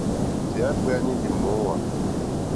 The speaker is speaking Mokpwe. Lìhwɛ̀ndì á gbēánì lì mòóŋwà.